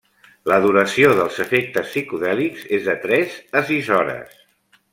La duració dels efectes psicodèlics és de tres a sis hores.